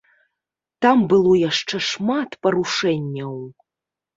Там было яшчэ шмат парушэнняў.